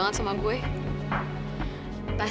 mau disuapin ya